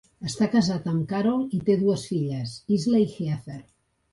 Està casat amb Carol i té dues filles, Isla i Heather.